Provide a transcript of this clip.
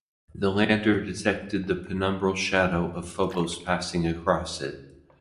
The Lander detected the penumbral shadow of Phobos passing across it.